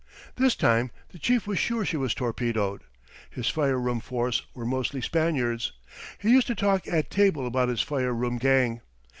This time the chief was sure she was torpedoed. His fire room force were mostly Spaniards. He used to talk at table about his fire room gang.